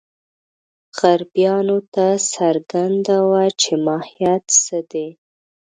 غربیانو ته څرګنده وه چې ماهیت څه دی.